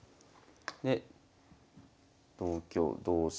で同香同飛車。